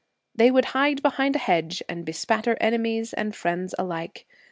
They would hide behind a hedge and bespatter enemies and friends alike.